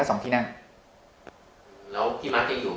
แล้วพี่มาร์คยังอยู่ไหมฮะ